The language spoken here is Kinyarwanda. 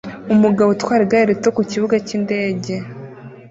Umugabo utwara igare rito ku kibuga cyindege